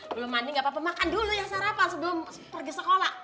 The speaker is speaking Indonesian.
belum mandi gapapa makan dulu ya sarapan sebelum pergi sekolah